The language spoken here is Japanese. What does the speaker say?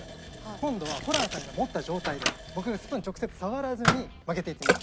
今度はホランさんが持った状態で僕がスプーン直接触らずに曲げていってみます。